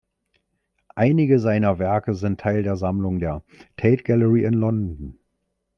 Einige seiner Werke sind Teil der Sammlung der Tate Gallery in London.